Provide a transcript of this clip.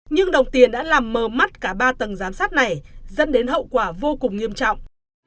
nhưng đồng tiền đã làm mờ mắt cả ba tầng giám sát này dẫn đến hậu quả vô cùng nghiêm trọng